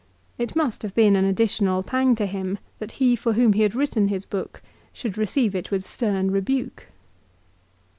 It must have been an additional pang to him, that he for whom he had written his book should receive it with stern rebuke.